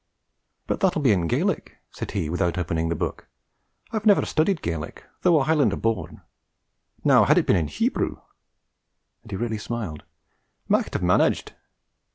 'But that'll be in Gaelic,' said he, without opening the book. 'I have never studied Gaelic, though a Highlander born. Now, had it been Hebrew,' and he really smiled, 'I micht have managed!'